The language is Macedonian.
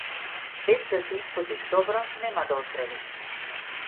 Без да се испотиш добро нема да оздравиш.